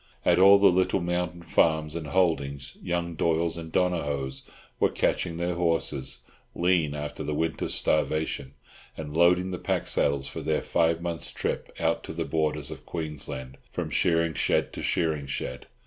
At all the little mountain farms and holdings young Doyles and Donohoes were catching their horses, lean after the winter's starvation, and loading the pack saddles for their five months' trip out to the borders of Queensland, from shearing shed to shearing shed.